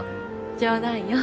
冗談よ。